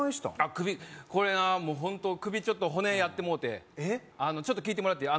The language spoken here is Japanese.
首これなホント首ちょっと骨やってもうてちょっと聞いてもらっていい？